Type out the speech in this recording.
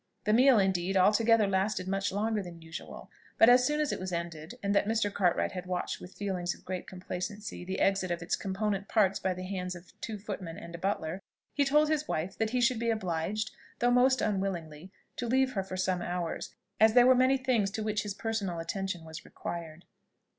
The meal, indeed, altogether lasted much longer than usual; but as soon as it was ended, and that Mr. Cartwright had watched with feelings of great complacency the exit of its component parts by the hands of two footmen and a butler, he told his wife that he should be obliged, though most unwillingly, to leave her for some hours, as there were many things to which his personal attention was required.